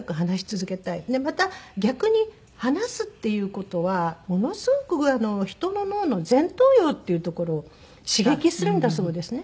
また逆に話すっていう事はものすごく人の脳の前頭葉っていうところを刺激するんだそうですね。